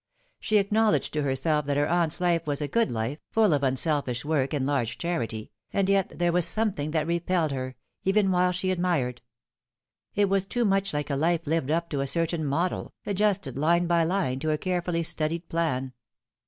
She acknowledged to herself that her aunt's life was a good life, full of unselfish work and large charity, and yet there was something that repelled her, even while she admired. It was too much like a life lived up to a certain model, adjusted line by line to a carefully studied plan.